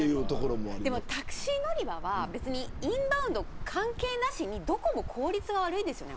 でもタクシー乗り場はインバウンド関係なくどこも効率が悪いですよね